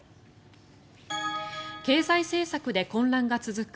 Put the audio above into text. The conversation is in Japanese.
経済政策で混乱が続く